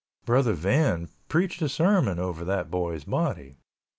Brother Van preached a sermon over that boy's body.